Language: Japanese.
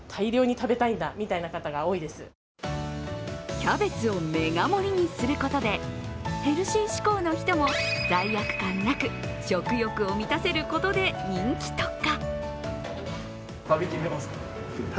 キャベツをメガ盛りにすることでヘルシー志向の人も罪悪感なく食欲を満たせることで人気とか。